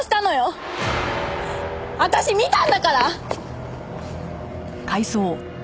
私見たんだから！